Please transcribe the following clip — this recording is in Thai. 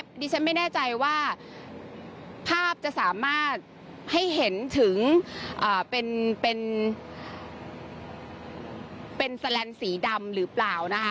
ดิฉันไม่แน่ใจว่าภาพจะสามารถให้เห็นถึงเป็นแสลนดสีดำหรือเปล่านะคะ